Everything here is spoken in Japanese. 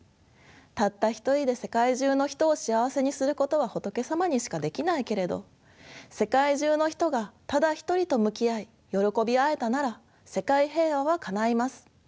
たった一人で世界中の人を幸せにすることは仏様にしかできないけれど世界中の人がただ一人と向き合い喜び合えたなら世界平和はかないます。